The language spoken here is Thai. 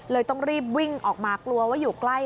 ต้องรีบวิ่งออกมากลัวว่าอยู่ใกล้